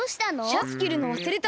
シャツきるのわすれた。